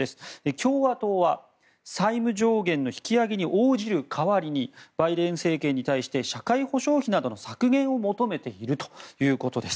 共和党は債務上限の引き上げに応じる代わりにバイデン政権に対して社会保障費などの削減を求めているということです。